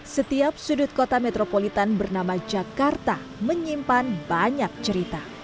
setiap sudut kota metropolitan bernama jakarta menyimpan banyak cerita